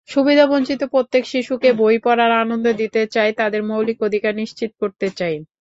সুবিধাবঞ্চিত প্রত্যেক শিশুকে বইপড়ার আনন্দ দিতে চাই, তাদের মৌলিক অধিকার নিশ্চিত করতে চাই।